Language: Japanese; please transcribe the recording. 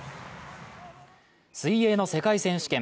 水泳の世界選手権。